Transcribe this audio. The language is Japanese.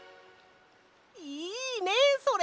いいねそれ！